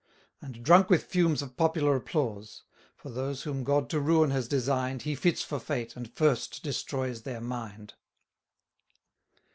And drunk with fumes of popular applause; For those whom God to ruin has design'd, He fits for fate, and first destroys their mind.